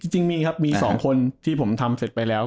จริงมีครับมี๒คนที่ผมทำเสร็จไปแล้ว